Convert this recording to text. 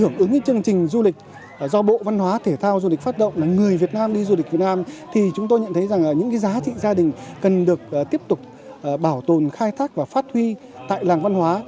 hưởng ứng chương trình du lịch do bộ văn hóa thể thao du lịch phát động là người việt nam đi du lịch việt nam thì chúng tôi nhận thấy rằng những cái giá trị gia đình cần được tiếp tục bảo tồn khai thác và phát huy tại làng văn hóa